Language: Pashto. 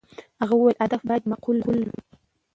هغه وویل، هدف باید معقول وي.